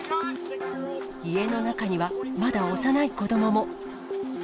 家の中には、まだ幼い子どもも。